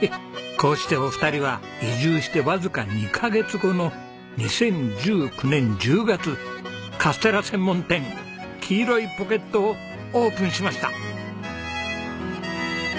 こうしてお二人は移住してわずか２カ月後の２０１９年１０月カステラ専門店きいろいポケットをオープンしました。